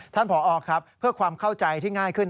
ผอครับเพื่อความเข้าใจที่ง่ายขึ้น